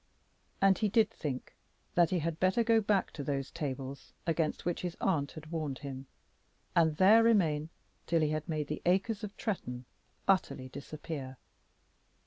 And he did think that he had better go back to those tables against which his aunt had warned him, and there remain till he had made the acres of Tretton utterly disappear.